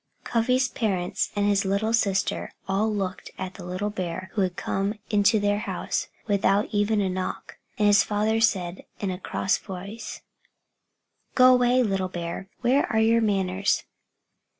Cuffy's parents and his little sister all looked at the little bear who had come into their house without even a knock. And his father said, in a cross voice "Go away, little bear. Where are your manners?"